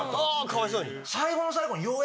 かわいそうに。